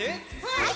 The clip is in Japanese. はい！